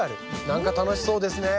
なんか楽しそうですね。